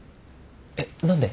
えっ何で？